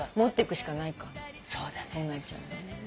そうなっちゃうね。